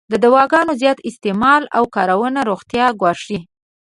د دواګانو زیات استعمال او کارونه روغتیا ګواښی.